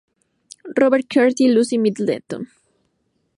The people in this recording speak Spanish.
Robert Carter y Lucy Middleton.